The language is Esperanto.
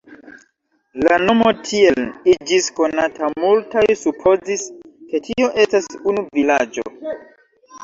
La nomo tiel iĝis konata, multaj supozis, ke tio estas unu vilaĝo.